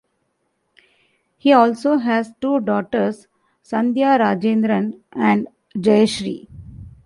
He also has two daughters, Sandhya Rajendran and Jayasree.